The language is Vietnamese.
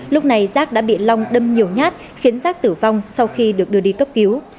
lúc này rác đã bị long đâm nhiều nhát khiến rác tử vong sau khi được đưa đi cấp cứu